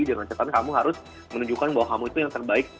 jangan catatan kamu harus menunjukkan bahwa kamu itu yang terbaik